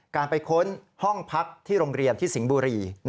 การไปค้นห้องพักที่โรงเรียนที่สิงห์บุรี